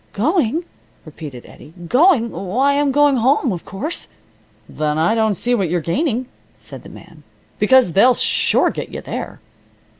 "Going!" repeated Eddie. "Going! Why, I'm going home, of course." "Then I don't see what you're gaining," said the man, "because they'll sure get you there."